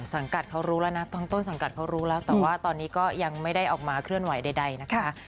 สังกัดเขารู้แล้วนะทั้งต้นสังกัดเขารู้แล้วแต่ว่าตอนนี้ก็ยังไม่ได้ออกมาเคลื่อนไหวใดนะคะ